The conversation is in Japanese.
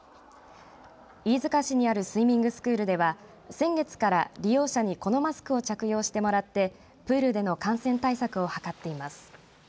飯塚市にあるスイミングスクールでは先月から利用者にこのマスクを着用してもらってプールでの感染対策を図っています。